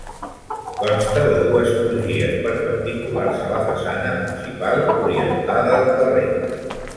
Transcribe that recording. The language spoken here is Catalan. Consta de dues crugies perpendiculars a la façana principal, orientada al carrer.